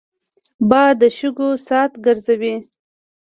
باد د شګو ساعت ګرځوي